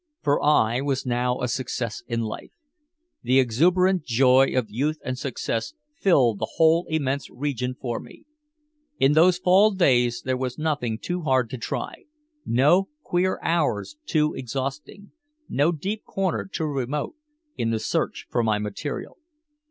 For I was now a success in life! The exuberant joy of youth and success filled the whole immense region for me. In those Fall days there was nothing too hard to try, no queer hours too exhausting, no deep corner too remote, in the search for my material.